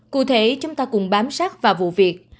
cụ thể chúng ta cùng bám sát vào vụ việc